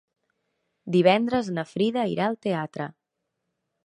Divendres na Frida irà al teatre.